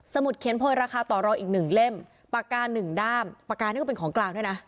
มุดเขียนโพยราคาต่อรออีกหนึ่งเล่มปากกา๑ด้ามปากกานี่ก็เป็นของกลางด้วยนะ